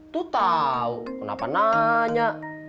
tuh tahu kenapa nanya